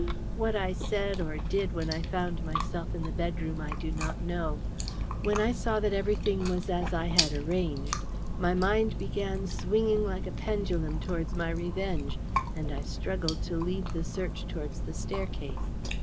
"What I said or did when I found myself in the bedroom I do not know. When I saw that everything was as I had arranged my mind began swinging like a pendulum towards my revenge, and I struggled to lead the search towards the staircase.